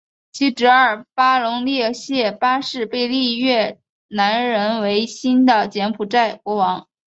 其侄儿巴龙列谢八世被立越南人为新的柬埔寨国王。